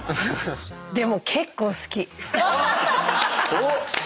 おっ！